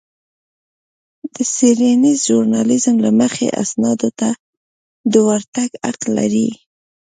د څېړنيز ژورنالېزم له مخې اسنادو ته د ورتګ حق لرئ.